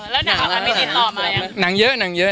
แล้วหนังค่ะมีดินต่อมายัง